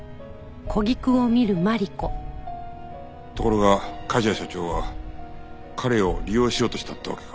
ところが梶谷社長は彼を利用しようとしたってわけか。